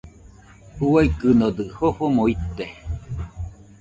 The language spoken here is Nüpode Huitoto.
Uaikɨñodɨ jofomo ite.